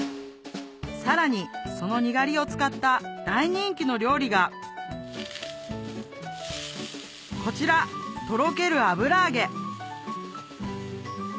さらにそのにがりを使った大人気の料理がこちらうわ！